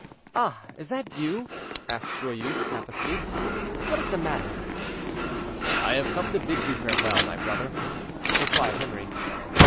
"Ah! is that you?" asked Joyeuse, half asleep; "what is the matter?" "I have come to bid you farewell, my brother," replied Henri.